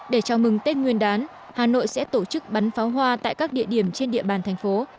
để chào mừng tết nguyên đán hà nội sẽ tổ chức bắn pháo hoa tại các địa điểm trên địa bàn thành phố